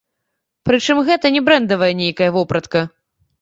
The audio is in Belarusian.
Прычым гэта не брэндавая нейкая вопратка.